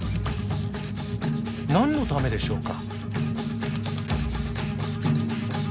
何のためでしょうか？